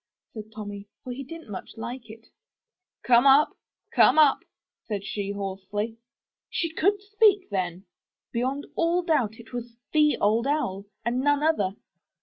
said Tommy, for he didn*t much like it. '*Come up, come up!*' said she hoarsely. She could speak then! Beyond all doubt it was the Old Owl, and none other.